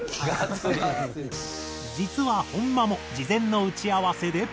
実は本間も事前の打ち合わせで。